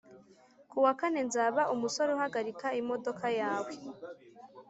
kuwakane nzaba umusore uhagarika imodoka yawe